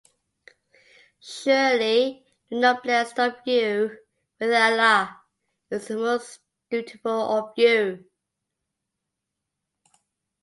Surely the noblest of you with Allah is the most dutiful of you.